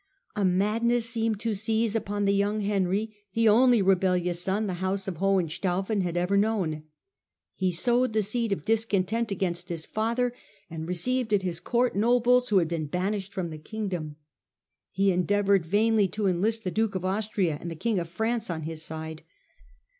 A madness seemed to seize upon the young Henry, the only rebellious son the house of Hohenstaufen had ever known. He sowed the seed of discontent against his father, and received at his Court nobles who had been banished from the Kingdom. He endeavoured vainly to enlist the Duke of Austria and the King of France on his side.